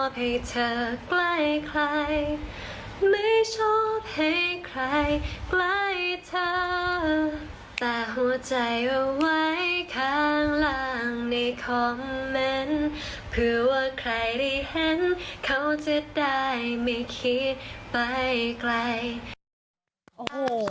แปลว่าความจริง